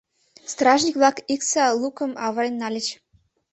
Стражник-влак Икса лукым авырен нальыч.